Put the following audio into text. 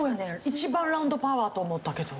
一番ランドパワーと思ったけど。